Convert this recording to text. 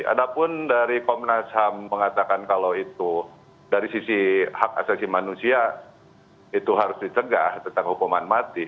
ada pun dari komnas ham mengatakan kalau itu dari sisi hak asasi manusia itu harus dicegah tentang hukuman mati